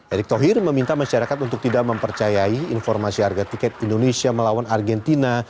erick thohir meminta masyarakat untuk tidak mempercayai informasi harga tiket indonesia melawan argentina